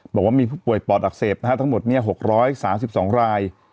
บอกว่ามีผู้ป่วยปอดอักเสบทั้งหมด๖๓๒ราย